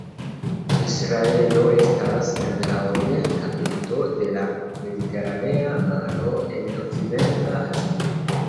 Israelo estas en la orienta pinto de la Mediteranea Maro en Okcidenta Azio.